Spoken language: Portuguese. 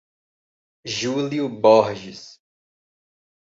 Júlio Borges